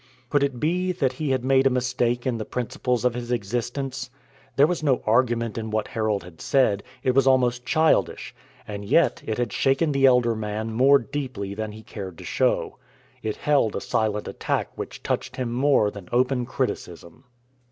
Could it be that he had made a mistake in the principles of his existence? There was no argument in what Harold had said it was almost childish and yet it had shaken the elder man more deeply than he cared to show. It held a silent attack which touched him more than open criticism.